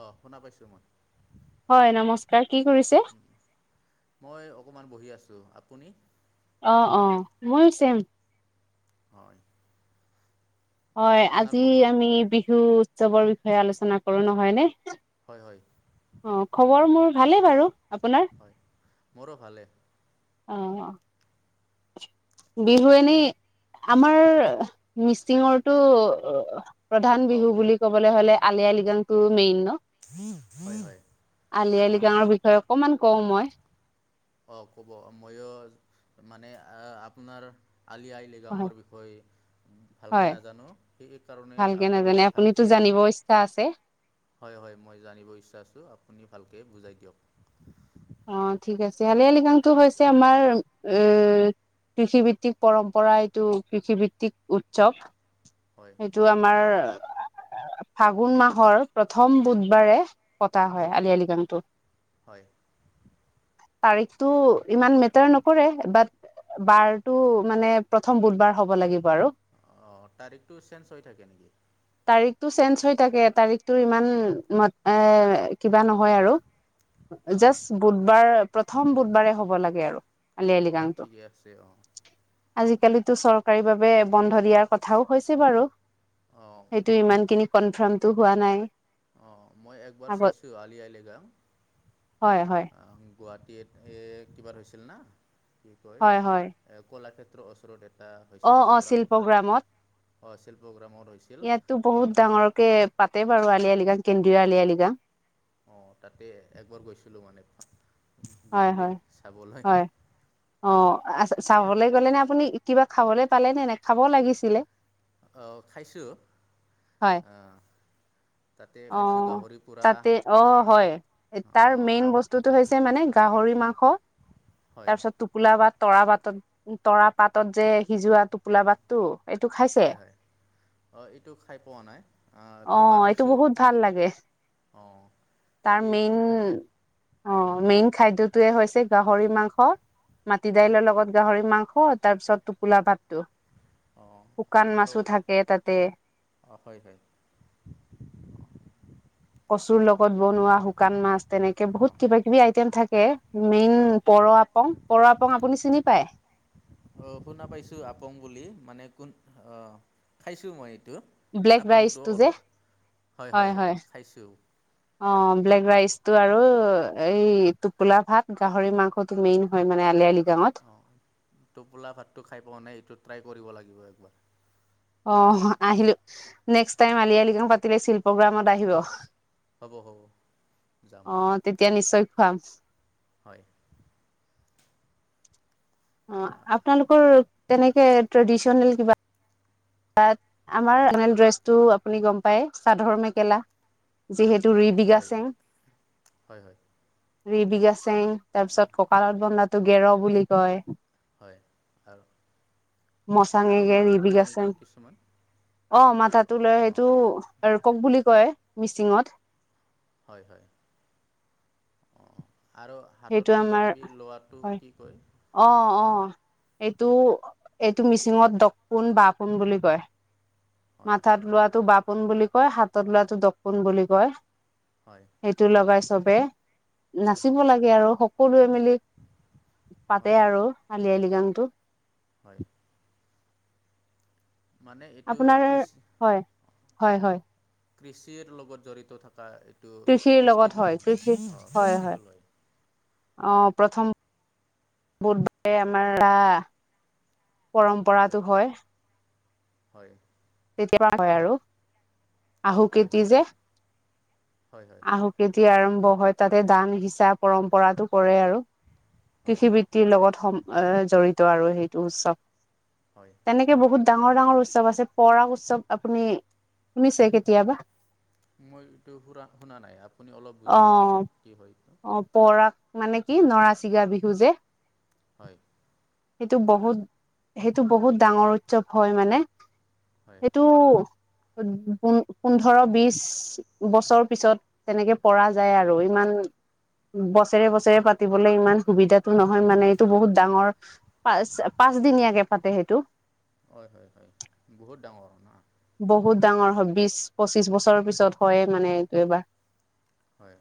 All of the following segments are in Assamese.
অ', শুনা পাইছোঁ মই। হয় নমস্কাৰ, কি কৰিছে। মই অকণমান বহি আছোঁ, আপুনি? অ', অ', মইও চেম। হয়। হয়, আপোনাৰ আজি খবৰ আমি বিহুৰ উৎসৱৰ বিষয়ে আলোচনা কৰো নহয় নে। হয় হয় অ', খবৰ মোৰ ভালে বাৰু, আপোনাৰ। হয় মোৰো ভালে অ', অ'। বিহু এনে আমাৰ মিছিঙৰটো প্ৰধান অঁ বিহু কওক বুলি ক'বলে হ'লে, আলি আই লৃগাং টো মেইন ন'। হয় হয় আলি আই অঁ লৃগাঙৰ বিষয়ে অকমান কওঁ, মই। অ' ক'ব, মইও মানে আ-আপোনাৰ আলি আই লৃ হয়, গাঙৰ বিষয়ে ভালকে হয় নাজানো, সেইকাৰণে ভালকে আপুনি নাজানে আপুনিতো ভালকে জানিব ইচ্ছা আছে। হয়, হয় মই জানিব ইচ্ছা আছোঁ, আপুনি ভালকৈ বুজাই দিয়ক। অ' ঠিক আছে আলি আই লৃগাংটো হৈছে, আমাৰ এ কৃষিভিত্তিক পৰম্পৰা, এইটো কৃষিভিত্তিক উৎসৱ। হয়। সেইটো আমাৰ, ফাগুন মাহৰ প্ৰথম বুধবাৰে পতা হয়, আলি আই লৃগাংটো। হয়। তাৰিখটো ইমান মেটাৰ নকৰে, বাট বাৰটো, মানে প্ৰথম বুধবাৰ হ'ব লাগিব আৰু। অ' তাৰিখটো চেঞ্জ হৈ থাকে, নেকি? তাৰিখটো চেঞ্জ হৈ থাকে, তাৰিখটো ইমান মা, এ কিবা নহয় আৰু। অঁ জাষ্ট বুধবাৰ, প্ৰথম বুধবাৰে হ'ব লাগে আৰু। আলি আই অঁ লৃগাংতো। ঠিকে আছে অঁ আজিকালিটো চৰকাৰী ভাৱে বন্ধ দিয়াৰ কথাও হৈছে, বাৰু। অঁ সেইটো ইমানখিনি কনফাৰ্মতটো হোৱা নাই। অ', অ' মই একবাৰ আগত চাইছোঁ, আলি আই লৃগাং। হয়, হয়। আ, আমি গুৱাহাটীত এ কিবা হৈছিল না, কি কয়। হয় হয় এ কলাক্ষেত্ৰ ওচৰত এটা অ হৈছিল অ প্ৰ'গ্ৰাম। তাত শিল্পগ্ৰামত অ' আছিল প্ৰ'গ্ৰামৰ হৈছিল। ইয়াতো বহুত ডাঙৰ কে পাতে বাৰু আলি আই লৃগাং, কেন্দ্ৰীয় আলি আই লৃগাং। অ', তাতে একবাৰ গৈছিলোঁ মানে। হয়, গধূলি হয়। চাবলৈ হয়। অ', আ চাবলৈ গ'লে নে আপুনি, কিবা খাবলৈ পালে নে নাই, খাব লাগিছিলে। অ', খাইছোঁ হয় আ। অ', তাতে। অ' হয় তাৰ মেইন অঁ বস্তুতটো হৈছে ছে মানে গাহৰি মাংস, হয় তাৰপিছত টো লা বা তৰা পাতত, তৰাপাতত যে সিজোৱাটোক পোলাবাটটো এইটো খাইছে? হয় হয় অঁ এইটো খাই পোৱা নাই, আ অ পকা এইটো খাইছোঁ বহুত আ ভাল লাগে অঁ তাৰ এই প মেইন অ মেইন খাদ্যটোয়ে হৈছে গাহৰি মাংস, মাটি হয় দাইলৰ লগত গাহৰি মাংস তাৰপিছত টোপোলা ভাত, অঁ শুকান মাছো থাকে তাতে। অ', হয় হয়। কচুৰ লগত বনোৱা শুকান মাছ তেনেকে অঁ বহুত হয় কিবা কিবি আইটেম থাকে মেইন হয় পৰ আপং। পৰ আপং আপুনি চিনি পাই। অ', শুনা পাইছো আপং বুলি মানে কোন অ খাইছো মই এইটো। ব্লেক আপংটো ৰাইচটো যে অলপ হয় হয় হয় খাইছোঁ। অ ব্লেক ৰাইচটো আৰু এই টোপোলা ভাত, গাহৰি মা স তুমি নহয় মানে আলি আলি গাঁৱত। অঁ টোপোলা ভাতটো খাই পোৱা নাই এইটো ট্ৰাই কৰিব লাগিব একবাৰ। অ আহিলো, নেক্স টাইম আলি আলি [unintelligible] পাতিলে শিল্পগ্ৰামত আহিব। হ'ব হ'ব যাম অ, তেতিয়া নিশ্চয় খুৱাম। হয়। অ, আপোনালোকৰ তেনেকে ট্ৰেডিচনেল কিবা তাত আমাৰ [unintelligible] ড্ৰেছটো আপুনি গম পায় চাদৰ মেখেলা যিহে টো হয় ৰিবিঘাছেং, হয় হয় ৰিবিঘাছ চেং তাৰ পিছত ককালত বন্ধাটো গেৰ বুলি কয়। হয় আৰু আৰু মচাঙেগে মাথাটো লয় নেকি ৰিবিগাচেং কিছুমান অ সমাথাটো লৈ সেইটো অঁ আৰু কক বুলি কয় মিচিঙত। হয় হয় অঁ আৰু হাতত সেইটো কিবা আমাৰ কিবি লোৱাটো হয় কি কয়? অ অ, এইটো এইটো মিচিঙত দকপোন, বাপোন বুলি কয়। হয় মাথাত হয় লোৱাটো বাপোন বুলি কয়, হাতত লোৱাটো দপুন বুলি কয়। হয়। সেইটো লগাই চবে, হয় নাচিব লা গে আৰু সকলোৱে মিলি পাতে হয় আৰু আলি আই লৃগাংটো। হয়। মানে এইটো আপোনাৰ কৃষ হয় হয় হয় কৃষিৰ লগত জড়িত থকা এইটো কৃষিৰ লগত ফেষ্টিভেল হয় কৃষি অ হয় ফেষ্টিভেল হয়। অ প্ৰথম বুধবাৰে আমাৰ [unintelligible] পৰম্পৰাটো হয়। হয়। [unintelligible] হয় আৰু আহু হয় খেতি হয় যে হয় হয় আহু যেতিয়া আৰম্ভ হয় তাতে দান সিঁচা পৰম্পৰাটো কৰে আৰু হয় কৃষিবি তীৰ লগত সম অ জড়িত আৰু সেইটো উৎসৱ। হয়। এনেকে বহুত ডাঙৰ ডাঙৰ উৎসৱ আছে, পৰাগ উৎসৱ আপুনি শুনিছে কেতিয়াবা? মই এইটো সুৰা শুনা নাই আপুনি অলপ অ বুজাই দিবচোন কি হয় এইটো? অ পৰা মানে কি নৰা চিঙা বিহু যে। হয়। সেইটো বহুত, সেইটো বহুত ডাঙৰ উৎসৱ হয় মানে। হয় সেইটো পো-পোন্ধৰ বিশ দুবছৰ পিছত তেনেকে পৰা যায় আৰু ইমান বছৰে বছৰে অঁ পাতি বলে ইমান সুবিধাটো নহয় মানে এইটো বহুত ডাঙৰ পাঁচ পাঁচ দিনীয়াকে পাতে সেইটো। হয়, হয়, হয়, বহুত ডাঙৰ ন'। বহুত ডাঙৰ হয়, বিশ পঁচিশ বছৰৰ পিছত হয় মানে এইটো এবাৰ। হয়।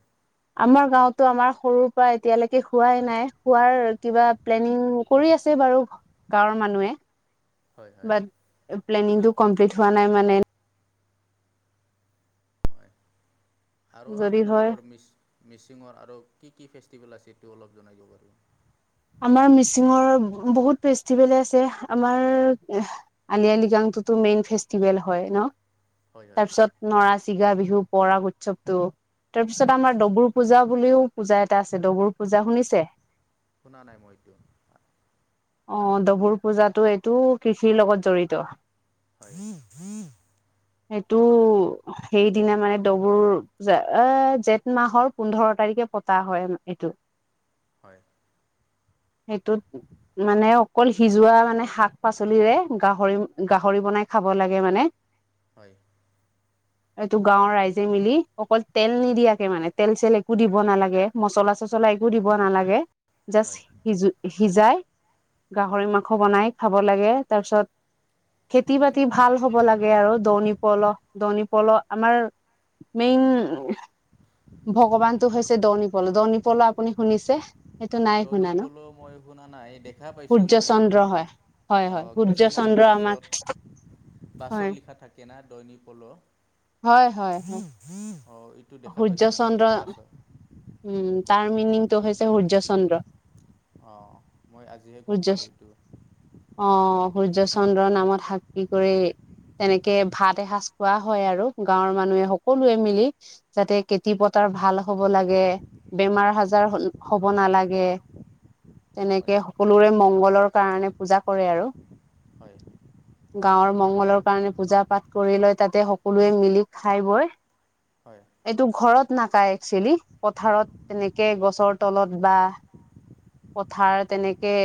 আমাৰ গাঁওতো আমাৰ সৰুৰ পৰা এতিয়ালৈকে খোৱাই নাই খোৱাৰ কিবা প্লেনিং কৰি আছে বাৰু, গাঁৱৰ মানুহে। হয় হয় বাত প্লেনিংটো কমপ্লিট হোৱা নাই মানে হয় আৰু যদি হয় আপোনালোকৰ মিছ মিচিঙৰ আৰু কি কি ফেষ্টিভেল আছে সেইটো অলপ জনাই দিব পাৰিব। আমাৰ মিচিঙৰ বহুত ফেষ্টিভেলে আছে, আমাৰ আলি আই লৃগাংটোতো মেইন ফেষ্টিভেল হয় ন'। হয় হয় তাৰপিছত নৰা চিগা বিহু, পৰাগ উৎসৱটো হয় তাৰপিছত আমাৰ দগৰো পূজা বুলিও, পূজা এটা আছে দগৰু পূজা শুনিছে? শুনা নাই মই এইটো। অ', দগৰু পূজাটো এইটো কৃষিৰ লগত জড়িত। হয়, হয়। সেইটো সেইদিনা মানে দবুৰ পূজা এ জেঠ মাহৰ পোন্ধৰ তাৰিখে পতা হয় এইটো। হয়। সেইটোত মানে অকল সিজোৱা মানে শাক-পাচলিৰে গাহৰি গাহৰি বনাই খাব লাগে মানে। [inaudible] হয়। [inaudible] এইটো গাঁৱৰ ৰাইজে মিলি অকল তেল নিদিয়াকে মানে তেল চেল একো দিব নালাগে। মচলা চচলা একো দিব নালাগে। জাষ্ট হয় সিজো সিজাই হয় গাহৰি মাংস বনাই খাব লাগে। তাৰপিছত খেতি বাতি ভাল হ'ব লাগে আৰু দণ পল দনি পল আমাৰ মেইন ভগৱানটো হৈছ দনিপল, দনিপল আপুনি শুনিছে। সেইটো নাই ডনি শুনা ন পলো মই শুনা নাই, দেখা পাইছোঁ সূৰ্য মই। চন্দ্ৰ হয় হয় হয় অ', সূৰ্য কিছুমান চন্দ্ৰ আমাৰ বাছত বাছত হয় লিখা থাকে না দৈনী পল' অ', হয় হয় হয় এত টো দেখা সূৰ্য পাইছোঁ মই চন্দ্ৰ বাছৰ, এয়া কোৱা। টো হৈছে সূৰ্যা চন্দ্ৰ। অ', মই আজিহে গম সূৰ্য পালোঁ এইটো। অ', সূৰ্য চন্দ্ৰৰ নামত সাক্ষী কৰি তেনেকে ভাত এসাঁজ খোৱা হয় আৰু গাঁৱৰ মানুহে সকলোৱে মিলি। যাতে খেতি পথাৰ ভাল হ'ব লাগে, বেমাৰ আজাৰ হ-হ'ব নালাগে। হয় তেনেকে সকলোৰে মংগলৰ কাৰণে পূজা কৰে আৰু। হয়, হয়। গাঁৱৰ মংগলৰ কাৰণে পূজা পাঠ কৰি লয় তাতে সকলোৱে মিলি খাই বৈ হয়। এইটো ঘৰত নাখায় একচুৱেলি পথাৰত তেনেকে গছৰ তলত বা পথাৰ তেনেকে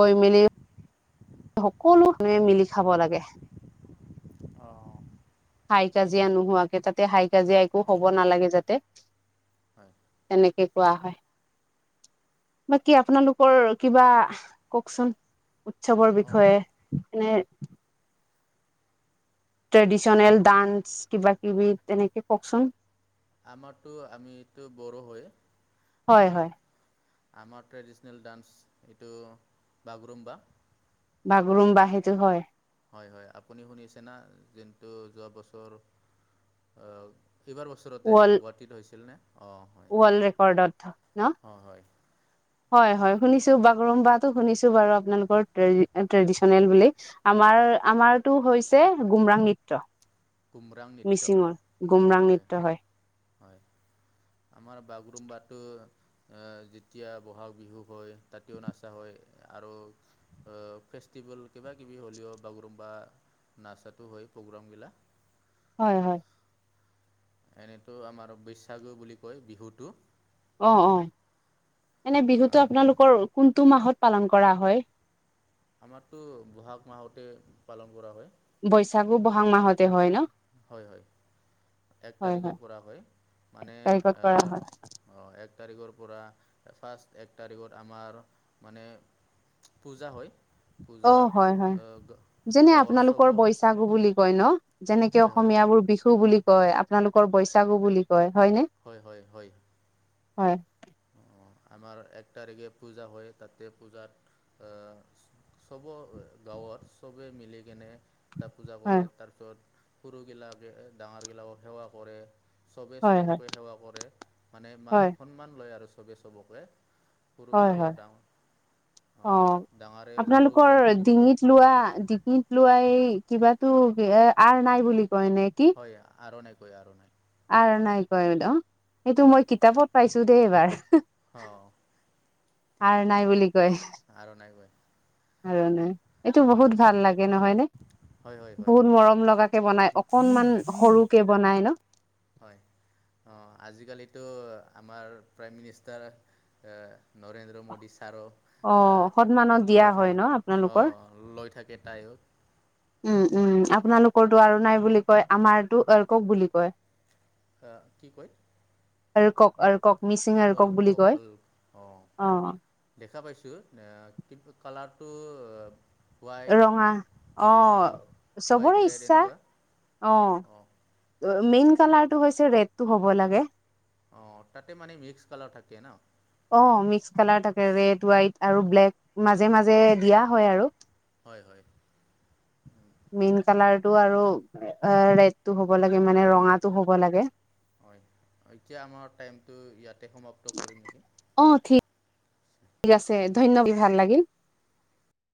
গৈ মেলি সকলো মানে মিলি খাব লাগে। অ'। হাই কাজিয়া নোহোৱাকে তাতে হাই কাজিয়া একো হ'ব হয় নালাগে যাতে। হয়। তেনেকে কোৱা হয়। বাকী আপোনালোকৰ কিবা কওকচোন। চবৰ অঁ বিষয়ে এনে। ট্ৰেডিশনেল ডান্স কিবা-কিবি তেনেকে কওকচোন। আমাৰতো আমিতো বড়ো হয়। হয় অ' হয় আমাৰ ট্ৰেডিচনেল ডান্স এইটো বাগৰুম্বা। বাগৰুম্বা সেইটো হয়। হয় হয়, আপুনি শুনিছে না'? যোনটো যোৱা বছৰ ফেভাৰ ওচৰতে ৱৰ্ল্ড গুৱাহাটীত হৈছিলনে। অঁ হয় ৱৰ্ল্ড ৰেকৰ্ডত ন', অঁ হয় হয় হয় শুনিছো বাগৰুম্বা। শুনিছোঁ বাৰু আপোনালোকৰ ট্ৰেডিচনেল বুলি। আমাৰ হয় আমাৰ টো হৈছে গুমৰাং নৃত্য, কুমৰাং নৃত্য মিচিঙৰ গুমৰাং নৃত্য হয়। হয়, আমাৰ বাগৰুম্বাটো অ' যেতিয়া ব'হাগ বিহু হয় তাতেও নাচা হয় আৰু ফেষ্টিভেল কিবা-কিবি হ'লিঅ' বাগৰুম্বা নাচাতো হয় প্ৰগ্ৰামগিলা। হয় হয়। এনেতো আমাৰ বৈশ্যাগু বুলি কয় বিহুটো। অ' অ' এনে বিহুটো আপোনালোকৰ কোনটো মাহত পালন কৰা হয়? আমাৰতো বহাগ মাহতে পালন কৰা হয়। বৈশাগু ব'হাগ মাহতে হয় ন? হয় হয় এক তাৰিখৰ পৰা হয়। মানে তাৰিখত কৰা হয় অ' অঁ এক তাৰিখৰ পৰা ফাৰ্ষ্ট এক তাৰিখত আমাৰ মানে পূজা হয় অ পূজাত হয় হয় গাঁৱৰ চবৰ গো বুলি কয় ন, যেনেকে অসমীয়াবোৰ বিহু বুলি কয়। আপোনালোকৰ বৈছাগু বুলি কয় হয় নে? হয় হয় হয়। হয়। আমাৰ এক তাৰিখে পূজা হয়, তাতে পূজাত অহ' চবৰ গাঁৱত চবে মিলিকেনে তাত পূজা কৰে, হয় তাৰপিছত সৰুগিলাকে ডাঙৰগিলাকক সেৱা কৰে। চবেই হয় হয় চবকে সেৱা কৰে, মানে হয় সন্মান লয় আৰু চবেই চবকে। হয় সৰুবিলাকৰ হয় ডাঙ অ অঁ ডাঙৰে-সৰুক আপোনালোকৰ সন্মান দিব। ডিঙিত লোৱা, ডিকিত লোৱা এই কিবাতো এ আৰ নাই বুলি কয় নে কি? হয়, আৰোনাই ক আৰোনাই। আৰোনাই কয় দ সেইটো হয় মই কিতাপত পাইছো দেই এইবাৰ। অঁ। ঠিকে আৰোনাই বুলি কয়। আৰণাই কয় আৰোনাই! এইটো অঁ বহুত ভাল লাগে নহয় নে? হয় হয় হয় বহুত মৰম লগাকে বনায় অকনমান সৰুকে বনাই ন? হয়, অ' আজিকালিটো অঁ আমাৰ প্ৰাইম মিনিষ্টাৰ অ', নৰেন্দ্ৰ মোডী ছাৰো অ', সন্মানত দিয়া লৈ হয় থাকে, ন আপোনালোকৰ অ'। লৈ থাকে তাইও। উম, উম, অঁ আপোনালোকৰটো আৰোনাই বুলি কয়, আমাৰটো অৰকক বুলি কয়। অ', কি কয়? অৰকক, অৰকক, মিচিং অৰকক বুলি ৱৰ্ল্ডকপ কয়, ৱৰ্ল্ড অঁ অ'। দেখা পাইছোঁ, আহ, কিন্তু কালাৰটো হোৱাইট ৰঙা, আহ, হোৱাইট চবৰে ৰেড ইচ্ছা। এনেকুৱা অ', অঁ মেইন কালাৰটো হৈছে, ৰেডটো হ'ব লাগে। অ', তাতে মানে মিক্স কালাৰ থাকে ন'? অ', মিক্স কালাৰ থাকে, ৰেড, হোৱাইট আৰু ব্লেক, মাজে-মাজে দিয়া হয় আৰু। হয়, হয়। মেইন কালাৰ টো আৰু, আহ, ৰেড টো হ'ব লাগে, মানে হয়, ৰঙাটো হ'ব লাগে। হয়, এতিয়া আমাৰ টাইমটো ইয়াতে সমাপ্ত কৰিম নেকি? অ', ঠিক, আছে, ধন্যবাদ, [unintelligible] ভাল লাগিল।